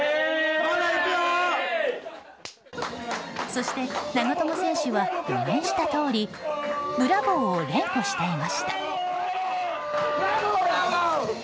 そして、長友選手は予言したとおりブラボー！を連呼していました。